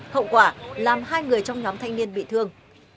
hậu quả làm hai người trong nhóm thanh niên bị thương